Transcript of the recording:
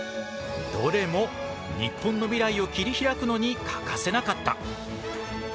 どれも日本の未来を切り開くのに欠かせなかった。